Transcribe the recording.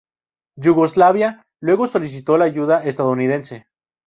Yugoslavia luego solicitó la ayuda estadounidense.